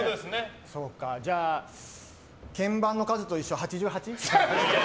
じゃあ、鍵盤の数と一緒の８８。